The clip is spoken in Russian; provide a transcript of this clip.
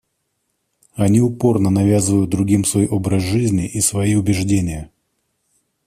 Они упорно навязывают другим свой образ жизни и свои убеждения.